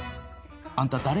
あんた誰？